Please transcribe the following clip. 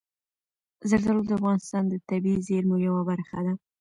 زردالو د افغانستان د طبیعي زیرمو یوه برخه ده.